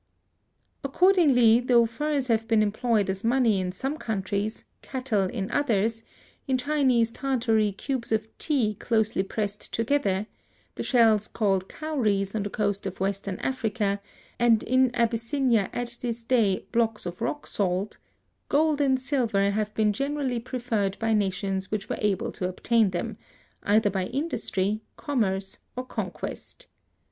Accordingly, though furs have been employed as money in some countries, cattle in others, in Chinese Tartary cubes of tea closely pressed together, the shells called cowries on the coast of Western Africa, and in Abyssinia at this day blocks of rock salt, gold and silver have been generally preferred by nations which were able to obtain them, either by industry, commerce, or conquest.